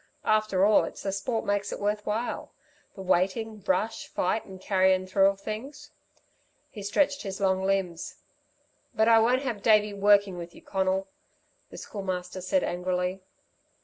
After all, it's the sport makes it worth while the waiting, rush, fight and carryin' through of things." He stretched his long limbs. "But I won't have Davey 'working' with you, Conal," the Schoolmaster said angrily.